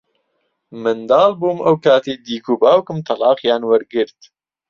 منداڵ بووم ئەو کاتەی دیک و باوکم تەڵاقیان وەرگرت.